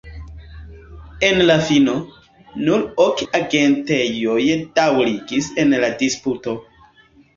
En la fino, nur ok agentejoj daŭrigis en la disputo.